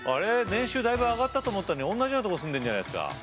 年収だいぶ上がったと思ったのにおんなじようなとこ住んでんじゃないですか。